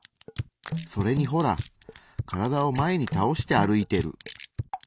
それにほら体を前に倒して歩いてる。